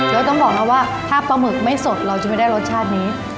แล้วต้องบอกนะว่าถ้าปลาหมึกไม่สดเราจะไม่ได้รสชาตินี้